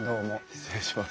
失礼します。